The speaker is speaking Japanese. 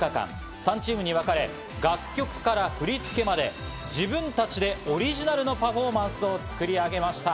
３チームに分かれ、楽曲から振り付けまで自分たちでオリジナルのパフォーマンスを作り上げました。